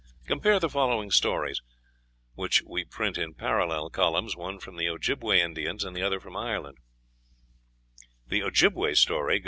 Compare the following stories, which we print in parallel columns, one from the Ojibbeway Indians, the other from Ireland: +++| THE OJIBBEWAY STORY.